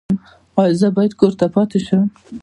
ایا زه باید کور پاتې شم؟